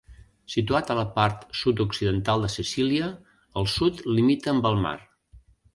Situat a la part sud-occidental de Sicília, al sud limita amb el mar.